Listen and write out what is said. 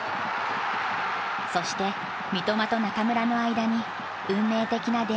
そして三笘と中村の間に運命的な出会いが訪れる。